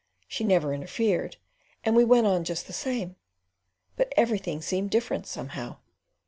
She never interfered and we went on just the same, but everything seemed different somehow."